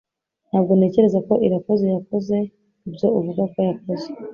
Ntabwo ntekereza ko Irakoze yakoze ibyo uvuga ko yakoze